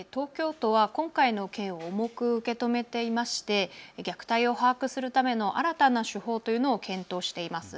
東京都は今回の件を重く受け止めていまして虐待を把握するための新たな手法というのを検討しています。